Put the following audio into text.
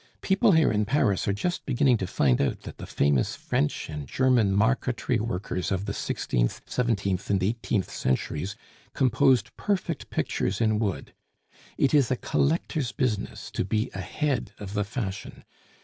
People here in Paris are just beginning to find out that the famous French and German marquetry workers of the sixteenth, seventeenth, and eighteenth centuries composed perfect pictures in wood. It is a collector's business to be ahead of the fashion.